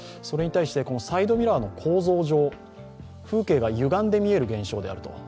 それに対してサイドミラーの構造上風景がゆがんで見える現象であると。